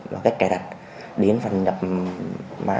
và cách cài đặt đến phần nhập mạng